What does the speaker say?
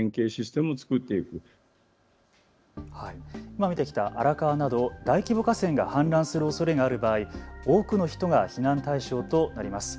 今、見てきた荒川など大規模河川が氾濫するおそれがある場合、多くの人が避難対象となります。